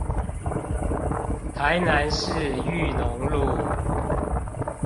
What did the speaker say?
台南市裕農路